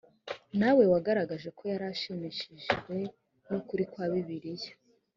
na we wagaragaje ko yari ashimishijwe n ukuri kwa bibiliya